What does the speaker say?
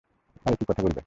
আরে কি কথা বলবে?